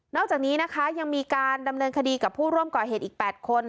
อกจากนี้นะคะยังมีการดำเนินคดีกับผู้ร่วมก่อเหตุอีก๘คน